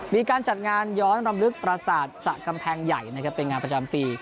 มีการจัดงานย้อนรำลึกประสาทสระกำแพงใหญ่นะครับเป็นงานประจำปี